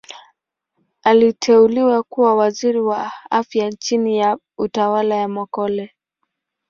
Aliteuliwa kuwa Waziri wa Afya chini ya utawala wa Mokhehle.